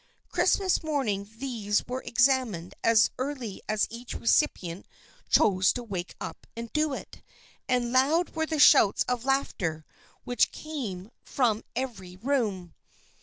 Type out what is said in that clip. Christmas morning these were examined as early as each recipient chose to wake up and do it, and loud were the shouts of laughter which came from 186 THE FRIENDSHIP OF ANNE every room.